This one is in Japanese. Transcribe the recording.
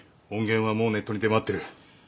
音源はもうネットに出回ってる。